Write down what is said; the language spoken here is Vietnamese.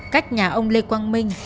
cách nhà ông lê quang minh